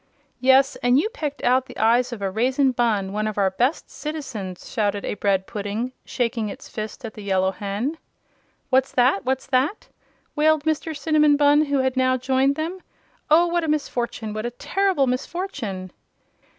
"Yes, and you pecked out the eyes of a Raisin Bunn one of our best citizens!" shouted a bread pudding, shaking its fist at the Yellow Hen. "What's that! What's that?" wailed Mr. Cinnamon Bunn, who had now joined them. "Oh, what a misfortune what a terrible misfortune!"